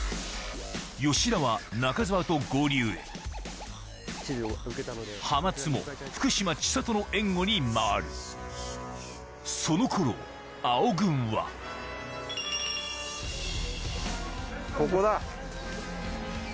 吉田は中澤と合流へ濱津も福島千里の援護に回るその頃青軍はここだ。